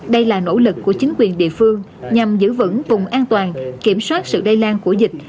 đây là nỗ lực của chính quyền địa phương nhằm giữ vững vùng an toàn kiểm soát sự lây lan của dịch